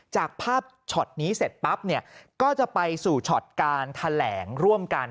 จากภาพช็อตนี้เสร็จปั๊บเนี่ยก็จะไปสู่ช็อตการแถลงร่วมกัน